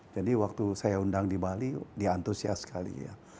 jadi waktu saya undang di bali dia antusias sekali ya